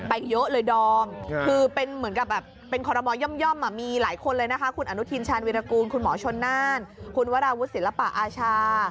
เยอะเลยดอมคือเป็นเหมือนกับแบบเป็นคอรมอลย่อมมีหลายคนเลยนะคะคุณอนุทินชาญวิรากูลคุณหมอชนน่านคุณวราวุฒิศิลปะอาชา